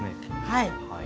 はい。